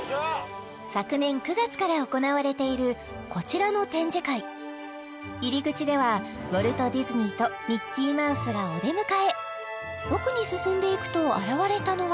昨年９月から行われているこちらの展示会入り口ではウォルト・ディズニーとミッキーマウスがお出迎え奥に進んでいくと現れたのは